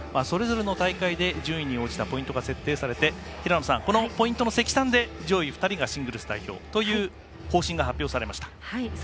それぞれの大会で順位に応じたポイントが設定されてこのポイントの積算で上位２人がシングルス代表という方針が発表されました。